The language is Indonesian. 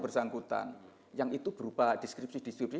bersangkutan yang itu berupa deskripsi deskripsi